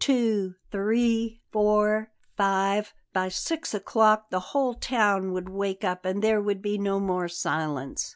Two, three, four, five by six o'clock the whole town would wake up and there would be no more silence.